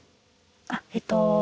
あっえっと。